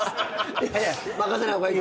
いやいや任せない方がいい。